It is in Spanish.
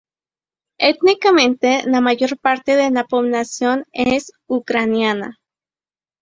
Étnicamente la mayor parte de la población es ucraniana.